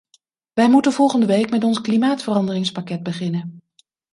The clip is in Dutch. Wij moeten volgende week met ons klimaatveranderingspakket beginnen.